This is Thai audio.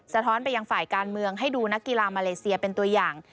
ท้อนไปยังฝ่ายการเมืองให้ดูนักกีฬามาเลเซียเป็นตัวอย่าง